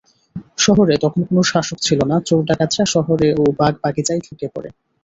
শহরে তখন কোন শাসক ছিল না, চোর-ডাকাতরা শহরে ও বাগ-বাগিচায় ঢুকে পড়ে।